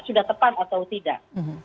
sudah tepat atau tidak